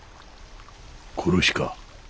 殺しか？